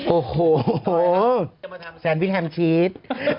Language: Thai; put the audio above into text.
โอ้โหแซนวิ่งแฮมชีส